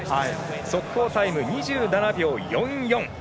速報タイム２７秒４４。